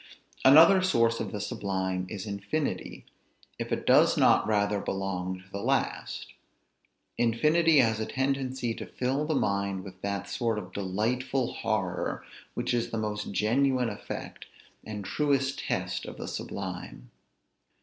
Another source of the sublime is infinity; if it does not rather belong to the last. Infinity has a tendency to fill the mind with that sort of delightful horror, which is the most genuine effect, and truest test of the sublime.